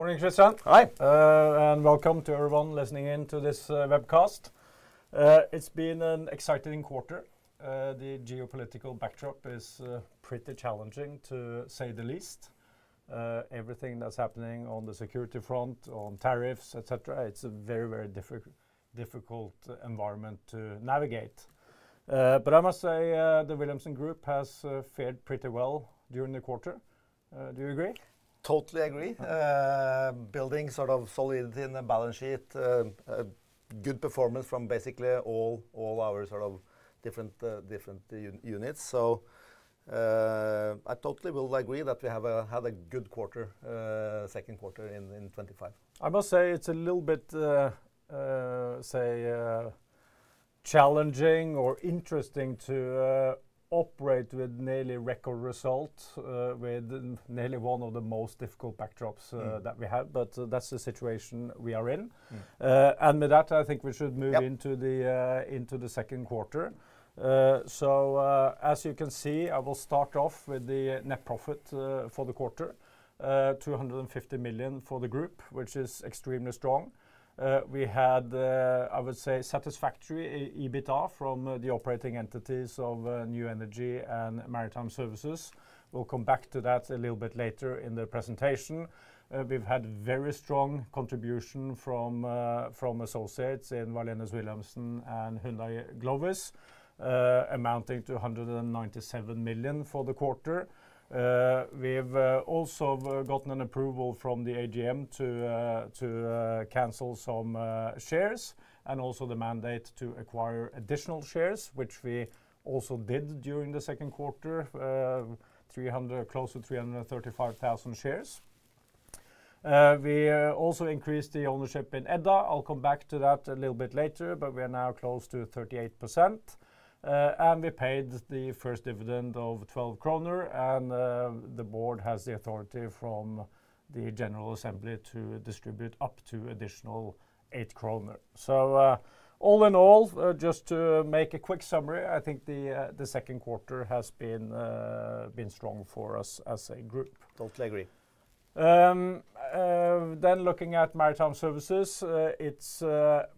Morning, Christian. Hi. Welcome to everyone listening in to this webcast. It's been an exciting quarter. The geopolitical backdrop is pretty challenging, to say the least. Everything that's happening on the security front, on tariffs, et cetera, it's a very, very difficult environment to navigate. I must say, the Wilhelmsen Group has fared pretty well during the quarter. Do you agree? Totally agree. Building sort of solid in the balance sheet, good performance from basically all our different units. I totally will agree that we have had a good quarter, second quarter in 2025. I must say it's a little bit challenging or interesting to operate with nearly record results, with nearly one of the most difficult backdrops that we had. That's the situation we are in. With that, I think we should move into the second quarter. As you can see, I will start off with the net profit for the quarter. $250 million for the group, which is extremely strong. We had, I would say, satisfactory EBITDA from the operating entities of New Energy and Maritime Services. We'll come back to that a little bit later in the presentation. We've had very strong contribution from associates in Wallenius Wilhelmsen and Hyundai Glovis, amounting to $197 million for the quarter. We've also gotten an approval from the AGM to cancel some shares and also the mandate to acquire additional shares, which we also did during the second quarter, close to 335,000 shares. We also increased the ownership in Edda Wind. I'll come back to that a little bit later, but we are now close to 38%. We paid the first dividend of 12.00 kroner, and the board has the authority from the General Assembly to distribute up to an additional 8.00 kroner. All in all, just to make a quick summary, I think the second quarter has been strong for us as a group. Totally agree. Looking at Maritime Services, it's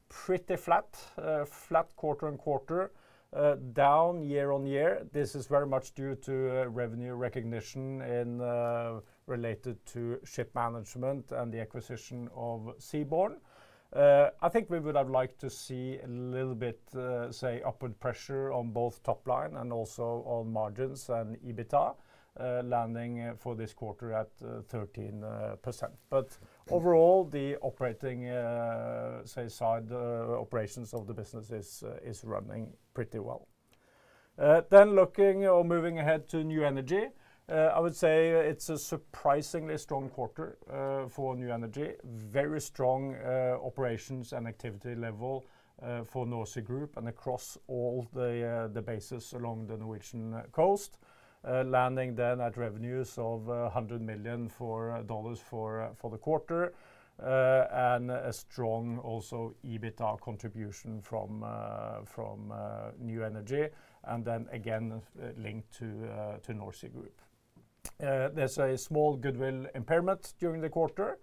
pretty flat quarter-on-quarter, down year-on-year. This is very much due to revenue recognition related to ship management and the acquisition of Zeaborn. I think we would have liked to see a little bit, say, upward pressure on both top line and also on margins and EBITDA, landing for this quarter at 13%. Overall, the operating side, operations of the business, is running pretty well. Moving ahead to New Energy, I would say it's a surprisingly strong quarter for New Energy. Very strong operations and activity level for NorSea Group and across all the bases along the Norwegian coast, landing then at revenues of $100 million for the quarter, and a strong EBITDA contribution from New Energy, again linked to NorSea Group. There's a small goodwill impairment during the quarter,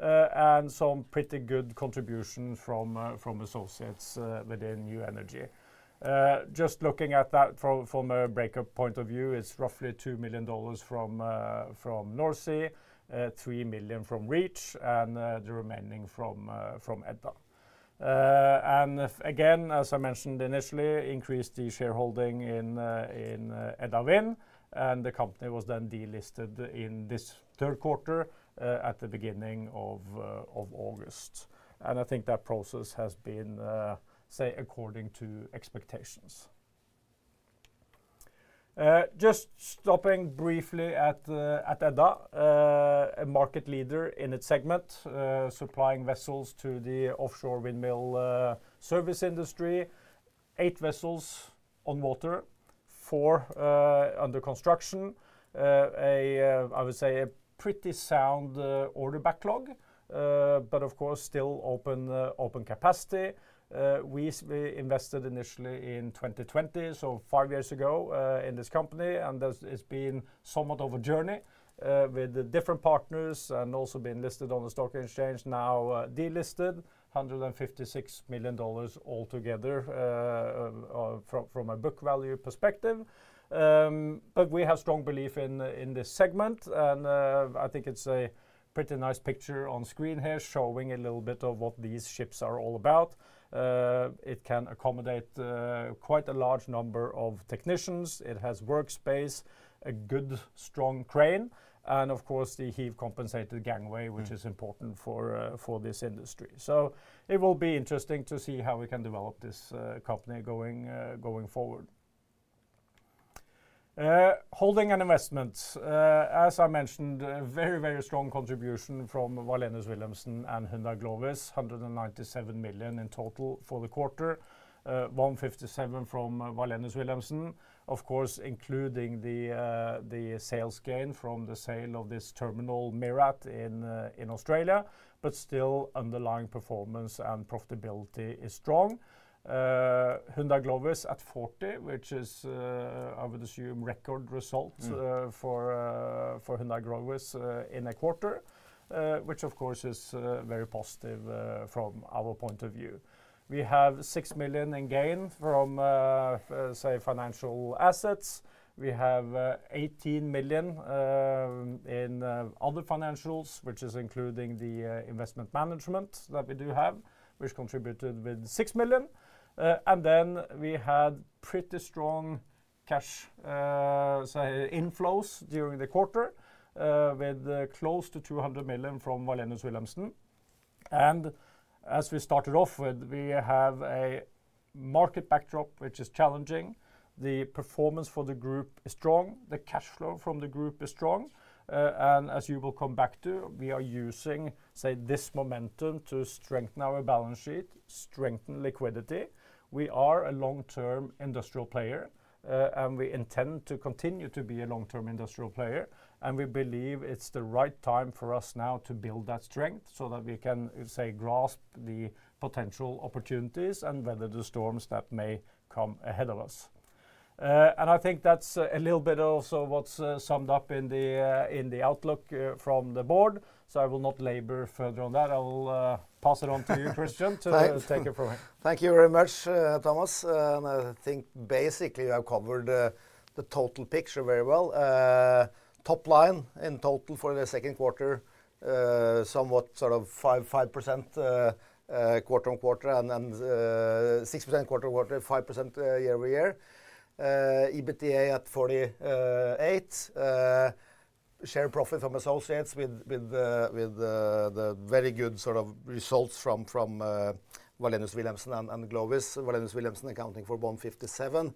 and some pretty good contribution from associates within New Energy. Just looking at that from a breakup point of view, it's roughly $2 million from NorSea, $3 million from Reach Subsea, and the remaining from Edda Wind. As I mentioned initially, we increased the shareholding in Edda Wind, and the company was then delisted in this third quarter, at the beginning of August. I think that process has been, say, according to expectations. Stopping briefly at Edda WInd, a market leader in its segment, supplying vessels to the offshore wind service industry. Eight vessels on water, four under construction, a pretty sound order backlog, but of course still open capacity. We invested initially in 2020, so five years ago, in this company, and it's been somewhat of a journey with different partners and also been listed on the stock exchange, now delisted, $156 million altogether from a book value perspective. We have strong belief in this segment, and I think it's a pretty nice picture on screen here showing a little bit of what these ships are all about. It can accommodate quite a large number of technicians. It has workspace, a good strong crane, and of course the heave compensated gangway, which is important for this industry. It will be interesting to see how we can develop this company going forward. Holding and investments. As I mentioned, a very, very strong contribution from Wilhelmsens and Hyundai Glovis, $197 million in total for the quarter, $157 million from Wilhelmsens, of course, including the sales gain from the sale of this terminal MIRRAT in Australia, but still underlying performance and profitability is strong. Hyundai Glovis at $40 million, which is, I would assume, record results for Hyundai Glovis in a quarter, which is very positive from our point of view. We have $6 million in gain from, say, financial assets. We have $18 million in other financials, which is including the investment management that we do have, which contributed with $6 million. We had pretty strong cash inflows during the quarter, with close to $200 million from Wilhelmsens. As we started off with, we have a market backdrop which is challenging. The performance for the group is strong. The cash flow from the group is strong. As you will come back to, we are using this momentum to strengthen our balance sheet, strengthen liquidity. We are a long-term industrial player, and we intend to continue to be a long-term industrial player. We believe it's the right time for us now to build that strength so that we can, say, grasp the potential opportunities and weather the storms that may come ahead of us. I think that's a little bit also what's summed up in the outlook from the board. I will not labor further on that. I'll pass it on to you, Christian, to take it from here. Thank you very much, Thomas. I think basically you have covered the total picture very well. Top line in total for the second quarter, somewhat sort of 5% quarter-on-quarter and 6% quarter-on-quarter, 5% year-over-year. EBITDA at $48 million, share profit from associates with the very good sort of results from Wallenius Wilhelmsen and Hyundai Glovis. Wallenius Wilhelmsen accounting for $157 million.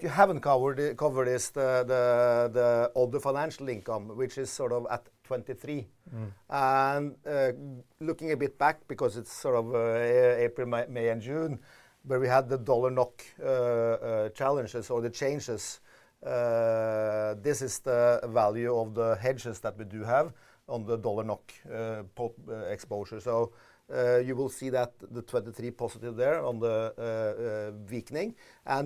You haven't covered the other financial income, which is sort of at $23 million. Mm-hmm. Looking a bit back, because it's sort of April, May, and June, where we had the USD/NOK challenges or the changes, this is the value of the hedges that we do have on the USD/NOK exposure. You will see that the $23+ million there on the weakening.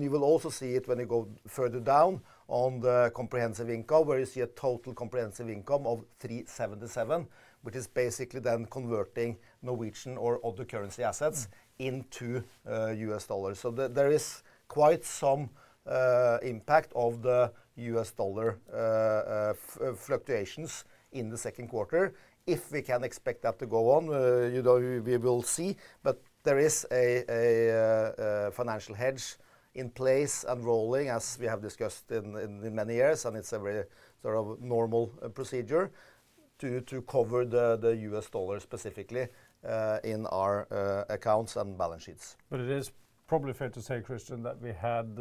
You will also see it when you go further down on the comprehensive income, where you see a total comprehensive income of $377 million, which is basically then converting Norwegian or other currency assets into U.S. dollars. There is quite some impact of the U.S. dollar fluctuations in the second quarter. If we can expect that to go on, you know, we will see. There is a financial hedge in place and rolling, as we have discussed in many years, and it's a very sort of normal procedure to cover the U.S. dollar specifically in our accounts and balance sheets. It is probably fair to say, Christian, that we had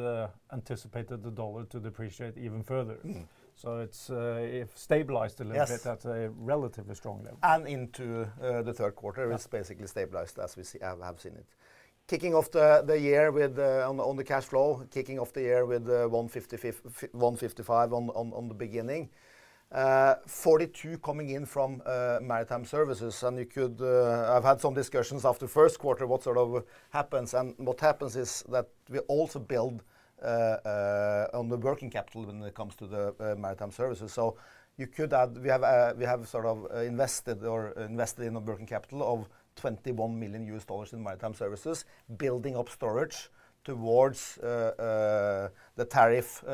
anticipated the dollar to depreciate even further. It has stabilized a little bit at a relatively strong level. Into the third quarter, it's basically stabilized, as we have seen it. Kicking off the year with, on the cash flow, kicking off the year with $155 million at the beginning. $42 million coming in from Maritime Services. I've had some discussions after the first quarter, what sort of happens. What happens is that we also build on the working capital when it comes to Maritime Services. You could add, we have sort of invested or invested in a working capital of $21 million in Maritime Services, building up storage towards the tariff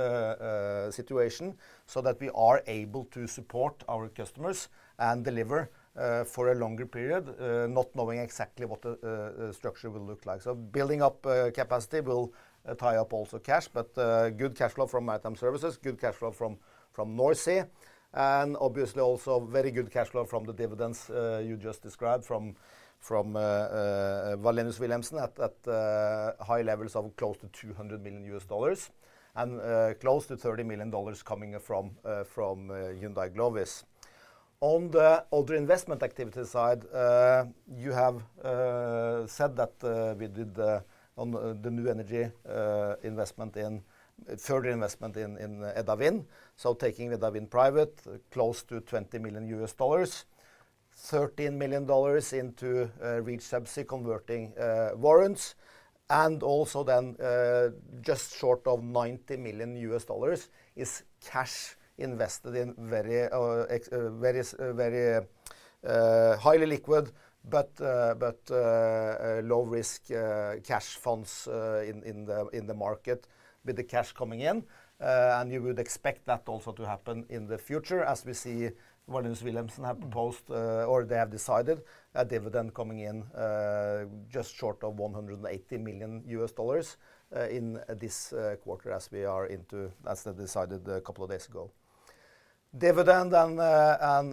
situation so that we are able to support our customers and deliver for a longer period, not knowing exactly what the structure will look like. Building up capacity will tie up also cash, but good cash flow from Maritime Services, good cash flow from NorSea, and obviously also very good cash flow from the dividends you just described from Wallenius Wilhelmsen at high levels of close to $200 million and close to $30 million coming from Hyundai Glovis. On the other investment activity side, you have said that we did, on the New Energy, investment in further investment in Edda Wind. Taking Edda Wind private, close to $20 million, $13 million into Reach Subsea converting warrants, and also then just short of $90 million is cash invested in very, very, very highly liquid, but low risk, cash funds in the market with the cash coming in. You would expect that also to happen in the future as we see Wallenius Wilhelmsen have proposed, or they have decided, a dividend coming in just short of $180 million in this quarter as we are into, as they decided a couple of days ago. Dividend and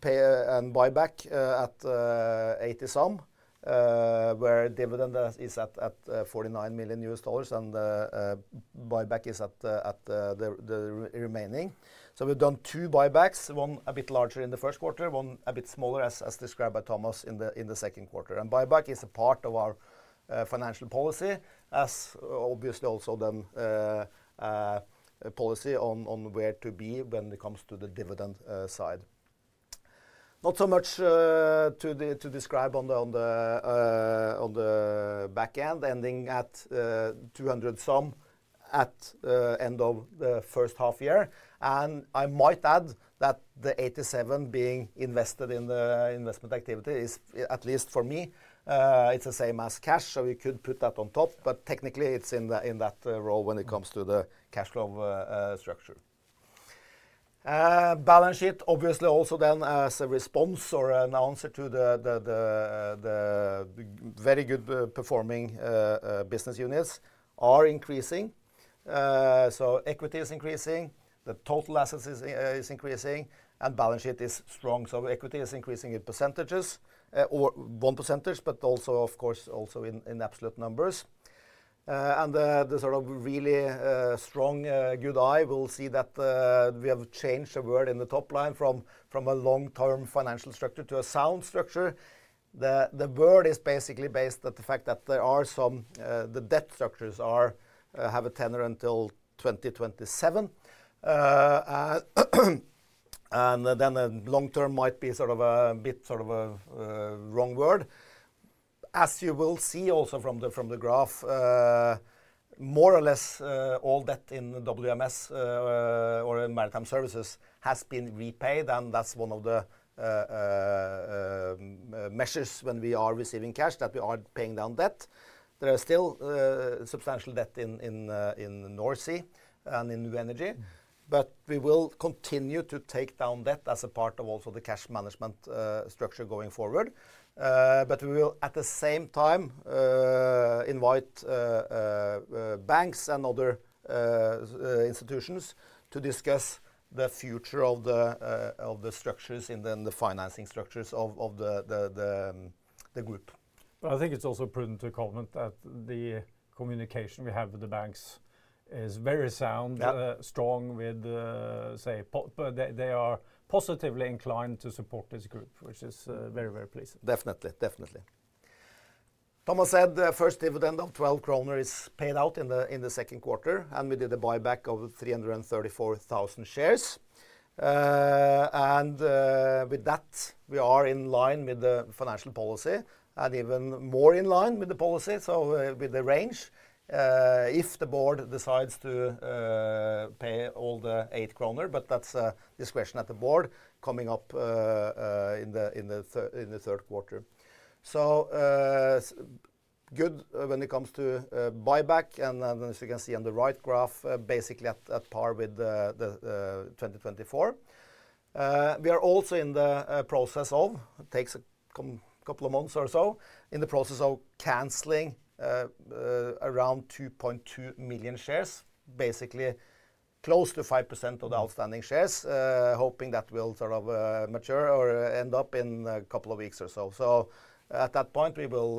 pay and buyback at $80 million, where dividend is at $49 million and buyback is at the remaining. We've done two buybacks, one a bit larger in the first quarter, one a bit smaller as described by Thomas in the second quarter. Buyback is a part of our financial policy as obviously also then policy on where to be when it comes to the dividend side. Not so much to describe on the back end ending at $200 million at end of the first half year. I might add that the $87 million being invested in the investment activity is at least for me, it's the same as cash. We could put that on top, but technically it's in that role when it comes to the cash flow structure. Balance sheet obviously also then as a response or an answer to the very good performing business units are increasing. Equity is increasing, the total assets is increasing, and balance sheet is strong. Equity is increasing in percentages, or 1 percentage, but also of course also in absolute numbers. The sort of really strong, good eye will see that we have changed the word in the top line from a long-term financial structure to a sound structure. The word is basically based on the fact that the debt structures have a tenor until 2027. A long-term might be sort of a bit sort of a wrong word. As you will see also from the graph, more or less all debt in Maritime Services has been repaid. That's one of the measures when we are receiving cash that we are paying down debt. There is still substantial debt in NorSea and in New Energy, but we will continue to take down debt as a part of also the cash management structure going forward. We will at the same time invite banks and other institutions to discuss the future of the structures in the financing structures of the group. I think it's also prudent to comment that the communication we have with the banks is very sound, strong, but they are positively inclined to support this group, which is very, very pleasing. Definitely, definitely. Thomas said the first dividend of 12.00 kroner is paid out in the second quarter, and we did a buyback of 334,000 shares. With that, we are in line with the financial policy and even more in line with the policy. With the range, if the board decides to pay all the 8.00 kroner, but that's a discussion at the board coming up in the third quarter. Good when it comes to buyback. As you can see on the right graph, basically at par with 2024. We are also in the process of, it takes a couple of months or so, in the process of canceling around 2.2 million shares, basically close to 5% of the outstanding shares, hoping that will sort of mature or end up in a couple of weeks or so. At that point, we will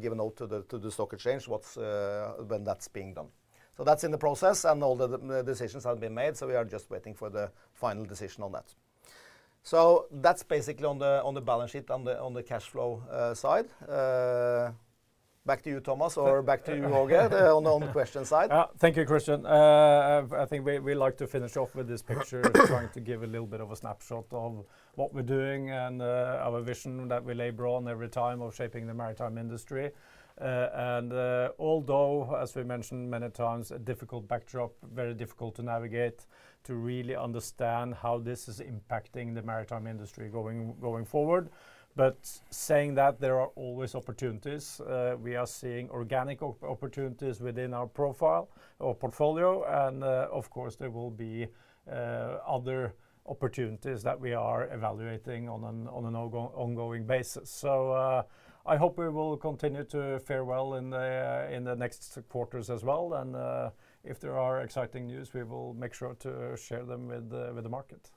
give a note to the stock exchange when that's being done. That's in the process and all the decisions have been made. We are just waiting for the final decision on that. That's basically on the balance sheet, on the cash flow side. Back to you, Thomas, or back to you, Åge, on the question side. Thank you, Christian. I think we like to finish off with this picture, trying to give a little bit of a snapshot of what we're doing and our vision that we labor on every time of shaping the maritime industry. Although, as we mentioned many times, a difficult backdrop, very difficult to navigate, to really understand how this is impacting the Maritime industry going forward. There are always opportunities. We are seeing organic opportunities within our profile or portfolio. Of course, there will be other opportunities that we are evaluating on an ongoing basis. I hope we will continue to fare well in the next quarters as well. If there are exciting news, we will make sure to share them with the market.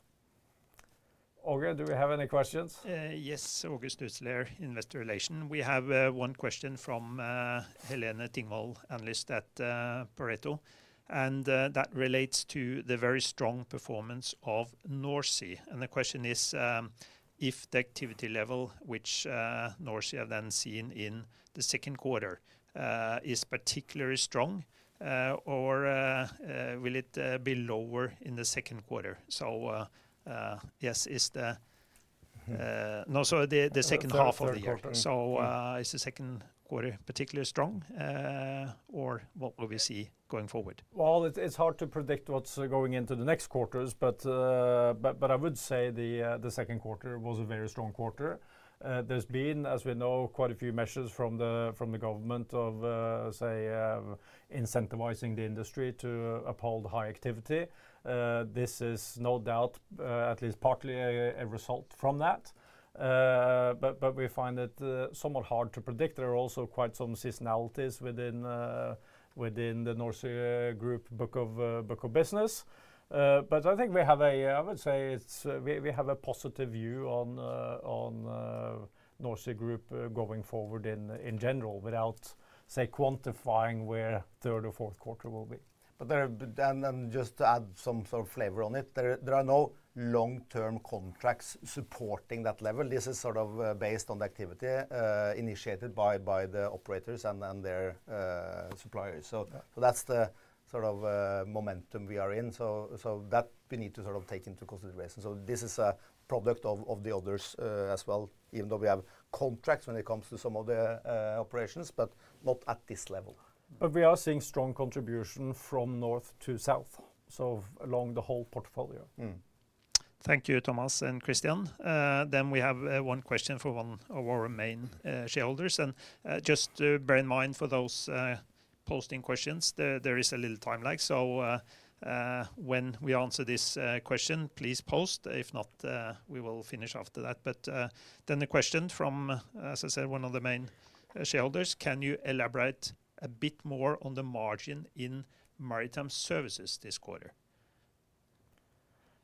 Åge, do we have any questions? Yes, Åge Sturtzel here, Investor Relations. We have one question from Helene Tingvold, analyst at Pareto. That relates to the very strong performance of NorSea. The question is if the activity level, which NorSea then seen in the second quarter, is particularly strong, or will it be lower in the second quarter? Is the second quarter particularly strong, or what will we see going forward? It is hard to predict what is going into the next quarters, but I would say the second quarter was a very strong quarter. There have been, as we know, quite a few measures from the government incentivizing the industry to uphold high activity. This is no doubt at least partly a result of that. We find it somewhat hard to predict. There are also quite some seasonalities within the NorSea Group book of business. I think we have a positive view on NorSea Group going forward in general without quantifying where third or fourth quarter will be. There are no long-term contracts supporting that level. This is based on the activity initiated by the operators and their suppliers. That's the momentum we are in, and we need to take that into consideration. This is a product of the others as well, even though we have contracts when it comes to some of the operations, but not at this level. We are seeing strong contribution from north to south along the whole portfolio. Thank you, Thomas and Christian. We have one question from one of our main shareholders. Just to bear in mind for those posting questions, there is a little time lag. When we answer this question, please post. If not, we will finish after that. The question from, as I said, one of the main shareholders: can you elaborate a bit more on the margin in Maritime Services this quarter?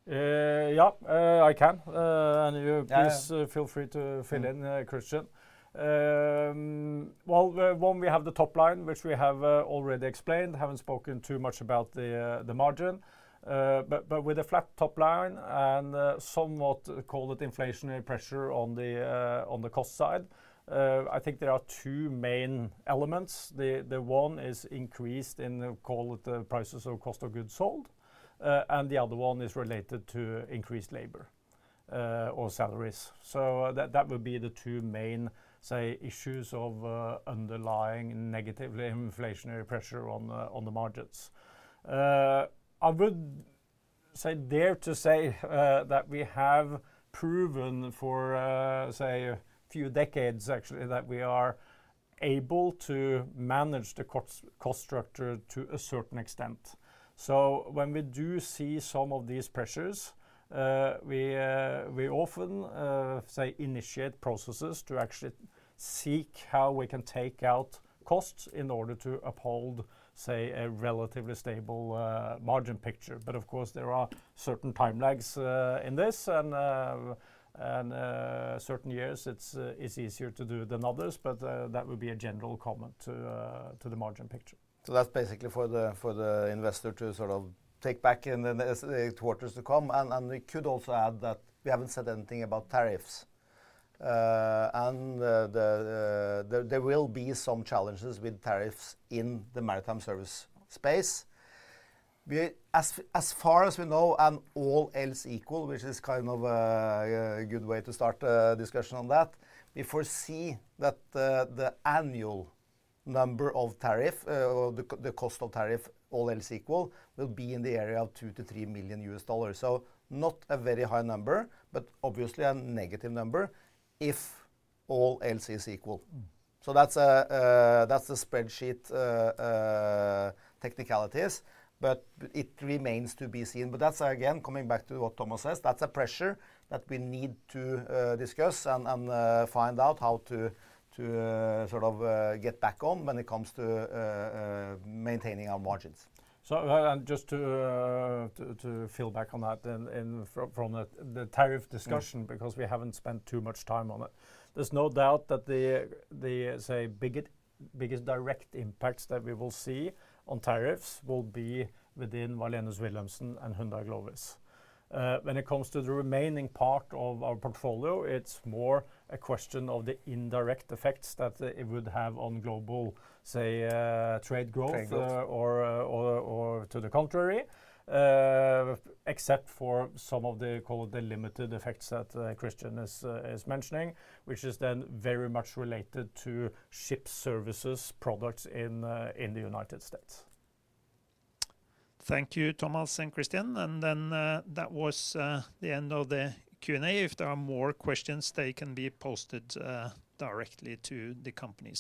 Yeah, I can. Please feel free to fill in, Christian. When we have the top line, which we have already explained, haven't spoken too much about the margin, but with a flat top line and somewhat, call it, inflationary pressure on the cost side, I think there are two main elements. The one is increase in the, call it, the prices of cost of goods sold. The other one is related to increased labor or salaries. That would be the two main, say, issues of underlying negative inflationary pressure on the margins. I would say, dare to say, that we have proven for, say, a few decades actually that we are able to manage the cost structure to a certain extent. When we do see some of these pressures, we often initiate processes to actually seek how we can take out costs in order to uphold, say, a relatively stable margin picture. Of course, there are certain time lags in this, and certain years it's easier to do than others, but that would be a general comment to the margin picture. That's basically for the investor to sort of take back in the quarters to come. We could also add that we haven't said anything about tariffs. There will be some challenges with tariffs in the Maritime Services space. As far as we know, and all else equal, which is kind of a good way to start a discussion on that, we foresee that the annual number of tariff, or the cost of tariff, all else equal, will be in the area of $2 million-$3 million. Not a very high number, but obviously a negative number if all else is equal. That's the spreadsheet, technicalities, but it remains to be seen. That's again coming back to what Thomas says, that's a pressure that we need to discuss and find out how to sort of get back on when it comes to maintaining our margins. To fill back on that and from the tariff discussion, because we haven't spent too much time on it, there's no doubt that the biggest direct impacts that we will see on tariffs will be within Wallenius Wilhelmsen and Hyundai Glovis. When it comes to the remaining part of our portfolio, it's more a question of the indirect effects that it would have on global trade growth or, to the contrary, except for some of the limited effects that Christian is mentioning, which is then very much related to ship services products in the United States. Thank you, Thomas and Christian. That was the end of the Q&A. If there are more questions, they can be posted directly to the company.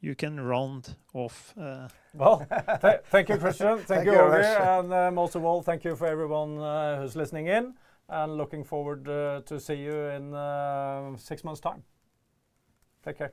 You can round off. Thank you, Christian. Thank you, Åge. Most of all, thank you for everyone who's listening in. Looking forward to see you in six months' time. Take care.